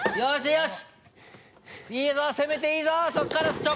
よし！